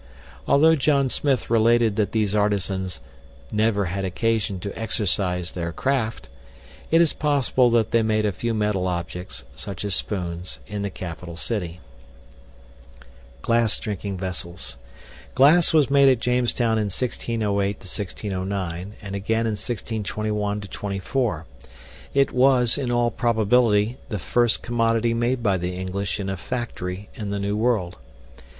Although John Smith related that these artisans "never had occasion to exercise their craft," it is possible that they made a few metal objects (such as spoons) in the capital city. GLASS DRINKING VESSELS Glass was made at Jamestown in 1608 09, and again in 1621 24. It was, in all probability, the first commodity made by the English in a "factory" in the New World.